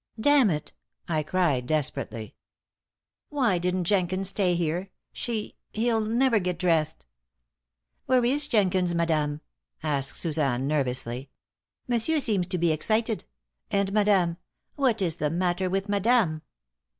"Damn it!" I cried, desperately. "Why didn't Jenkins stay here? She he'll never get dressed!" "Where is Jenkins, madame?" asked Suzanne, nervously. "Monsieur seems to be excited. And madame what is the matter with madame?"